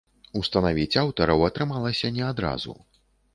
Устанавіць аўтараў атрымалася не адразу.